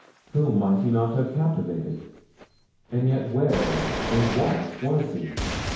whom might he not have captivated? And yet where and what was he?